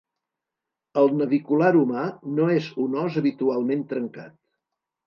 El navicular humà no és un os habitualment trencat.